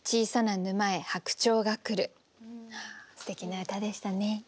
すてきな歌でしたね。